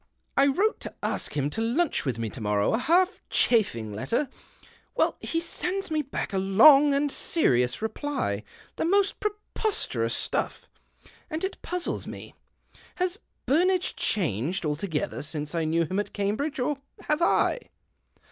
I wrote to ask him to lunch with me to morrow — a half chaffing letter. Well, he sends me back a long and serious reply — the most preposterous stuff — and it puzzles me. Has Burnage changed altogether since I knew him at Cambridge, or have I